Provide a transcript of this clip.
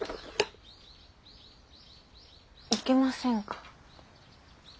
いけませんか？